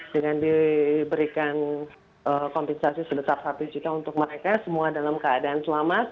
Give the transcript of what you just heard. dengan diberikan kompensasi sedetap rp satu untuk mereka semua dalam keadaan selamat